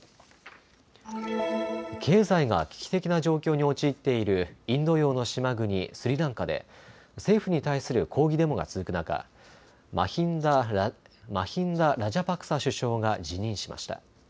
経済が危機的な状況に陥っているインド洋の島国スリランカで政府に対する抗議デモが続く中、マヒンダ・ラジャパクサ首相が辞任しました。